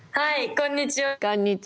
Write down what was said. こんにちは。